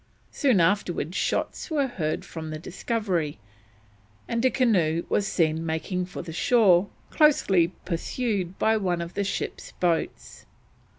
Soon afterwards shots were heard from the Discovery, and a canoe was seen making for the shore, closely pursued by one of the ship's boats.